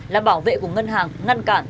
làm bảo vệ của ngân hàng ngăn cản